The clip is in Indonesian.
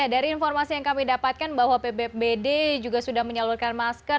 dari informasi yang kami dapatkan bahwa pbbd juga sudah menyalurkan masker